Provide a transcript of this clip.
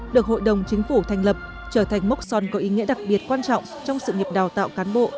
được hội đồng chính phủ thành lập trở thành mốc son có ý nghĩa đặc biệt quan trọng trong sự nghiệp đào tạo cán bộ